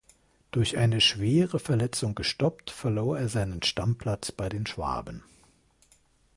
Durch eine schwere Verletzung gestoppt, verlor er seinen Stammplatz bei den Schwaben.